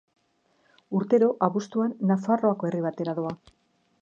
Urtero, abuztuan, Nafarroako herri batera doa.